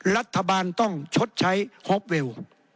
รัฐบาลต้องชดใช้ฮอปเวล